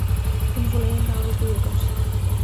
An bhfuil aon leabhar buí agat